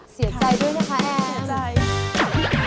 เสียใจด้วยนะคะแอม